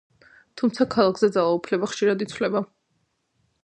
თუმცა ქალაქზე ძალაუფლება ხშირად იცვლება.